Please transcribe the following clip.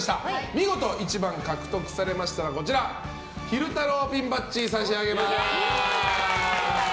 見事１番を獲得されましたら昼太郎ピンバッジを差し上げます。